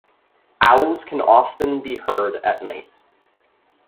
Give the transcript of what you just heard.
Owls can often be heard at night.